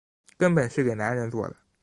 根本是给男人做的